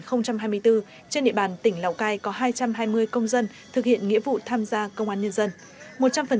năm hai nghìn hai mươi bốn trên địa bàn tỉnh lào cai có hai trăm hai mươi công dân thực hiện nghĩa vụ tham gia công an nhân dân